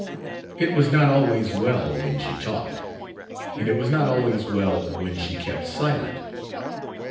It was not always well when she talked, and it was not always well when she kept silent.